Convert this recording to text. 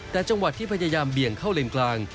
แต่จังหวะที่พยายามเบี่ยงเข้าเลนกลาง